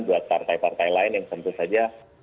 buat partai partai lain yang tentu saja